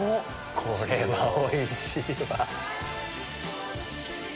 これはおいしいわ。